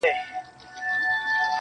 سترگي چي اوس نه برېښي د خدای له نور~